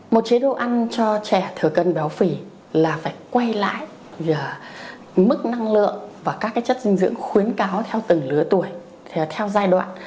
một chế độ ăn cho trẻ thừa cân béo phì là phải quay lại mức năng lượng và các chất dinh dưỡng khuyến cáo theo từng lứa tuổi theo giai đoạn